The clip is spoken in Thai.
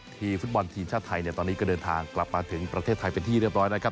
ทีมฟุตบอลทีมชาติไทยเนี่ยตอนนี้ก็เดินทางกลับมาถึงประเทศไทยเป็นที่เรียบร้อยนะครับ